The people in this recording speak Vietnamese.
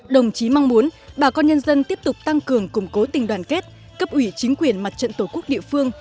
đồng chí mong muốn bà con nhân dân tiếp tục tăng cường củng cố tình đoàn kết cấp ủy chính quyền mặt trận tổ quốc địa phương